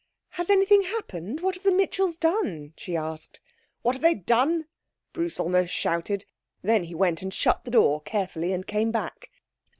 'Has anything happened? What have the Mitchells done?' she asked. 'What have they done!' Bruce almost shouted. He then went and shut the door carefully and came back.